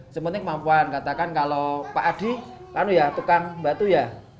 sepenting kemampuan katakan kalau pak adi kan ya tukang batu ya